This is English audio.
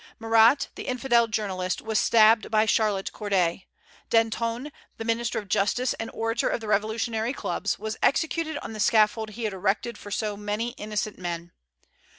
Marat, the infidel journalist, was stabbed by Charlotte Corday. Danton, the minister of justice and orator of the revolutionary clubs, was executed on the scaffold he had erected for so many innocent men.